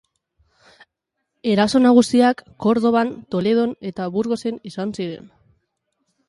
Eraso nagusiak Kordoban, Toledon eta Burgosen izan ziren.